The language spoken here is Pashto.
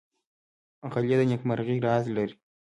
غلی، د نېکمرغۍ راز لري.